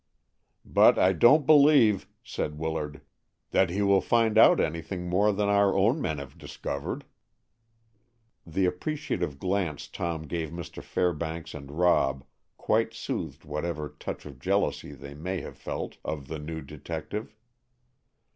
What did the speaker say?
"But I don't believe," said Willard, "that he will find out anything more than our own men have discovered." The appreciative glance Tom gave Mr. Fairbanks and Rob quite soothed whatever touch of jealousy they may have felt of the new detective.